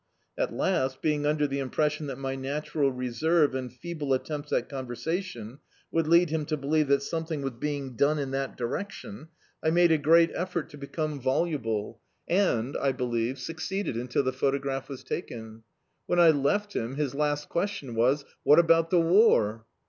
At last, being imder the impression that my natural reserve and feeble at tempts at conversation would lead him to believe that something was being done ia that direction, I made a great effort to becrane voluble, and, Z Dictzed by Google Success believe, succeeded until the photograph was taken. When I left him, his last question was— "What about the war?"